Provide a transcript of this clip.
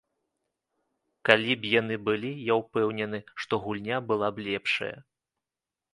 Калі б яны былі, я ўпэўнены, што гульня была б лепшая.